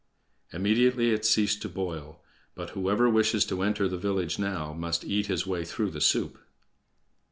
Immediately it ceased to boil; but whoever wishes to enter the village now must eat his way through the soup!!!